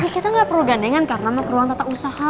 kita nggak perlu gandengan karena mau ke ruang tata usaha